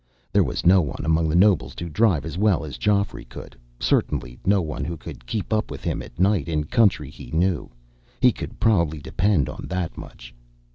There was no one among the nobles to drive as well as Geoffrey could certainly no one who could keep up with him at night, in country he knew. He could probably depend on that much.